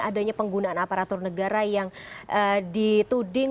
adanya penggunaan aparatur negara yang dituding